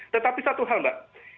tetapi satu hal mbak